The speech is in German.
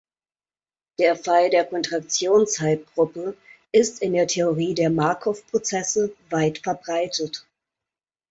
Der Fall der Kontraktionshalbgruppe ist in der Theorie der Markov-Prozesse weit verbreitet.